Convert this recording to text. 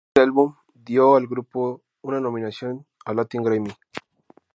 Este álbum dio al grupo una nominación al Latin Grammy